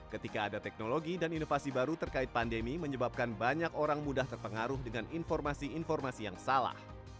ketika ada teknologi dan inovasi baru terkait pandemi menyebabkan banyak orang mudah terpengaruh dengan informasi informasi yang salah